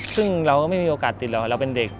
ซึ่งเราก็ไม่มีโอกาสติดหรอกเราเป็นเด็ก